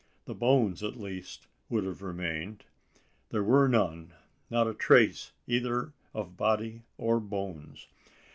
The bones, at least, would have remained? There were none not a trace either of body or bones!